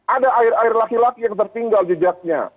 ada air air laki laki yang tertinggal jejaknya